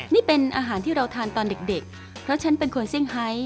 นี่เป็นอาหารที่เราทานตอนเด็กเพราะฉันเป็นคนเซี่ยงไฮ